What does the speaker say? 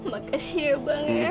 makasih ya bang ya